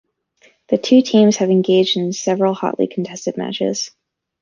The two teams have engaged in several hotly contested matches.